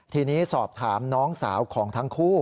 ทีนี้สอบถามน้องสาวของทั้งคู่